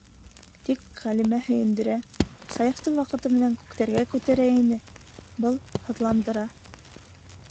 Тик Ғәлимә һөйөндөрә, Саяфты ваҡыты менән күктәргә күтәрә ине - был һыҙландыра.